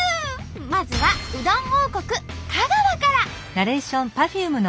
まずはうどん王国香川から。